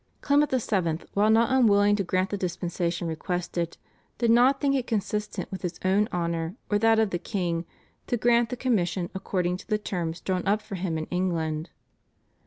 Clement VII., while not unwilling to grant the dispensation requested, did not think it consistent with his own honour or that of the king, to grant the commission according to the terms drawn up for him in England.